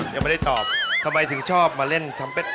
ยังไม่ได้ตอบทำไมถึงชอบมาเล่นทำเป็ด